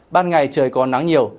ban ngày trời có nắng nhiều